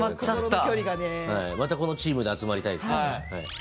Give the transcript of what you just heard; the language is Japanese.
またこのチームで集まりたいですね。